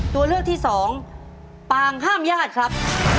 ตัวเลือกที่สองปางห้ามญาติครับ